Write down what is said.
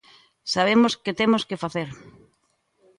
Sabemos que temos que facer.